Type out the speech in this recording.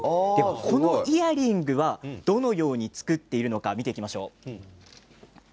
このイヤリングはどのように作っているのか見ていきましょう。